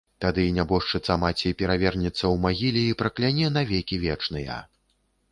Тады нябожчыца маці перавернецца ў магіле і пракляне на векі вечныя.